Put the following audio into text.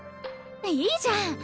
いいじゃん。